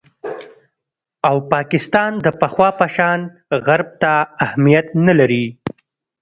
او پاکستان د پخوا په شان غرب ته اهمیت نه لري